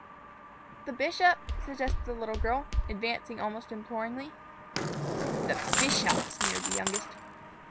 "The bishop," suggested the little girl, advancing almost imploringly. "The bishop!" sneered the youngest.